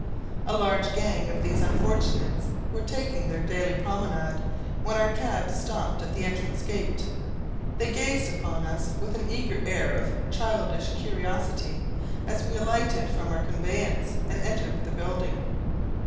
A large gang of these unfortunates were taking their daily promenade, when our cab stopped at the entrance gate. They gazed upon us with an eager air of childish curiosity, as we alighted from our conveyance, and entered the building.